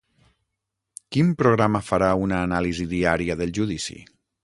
Quin programa farà una anàlisi diària del judici?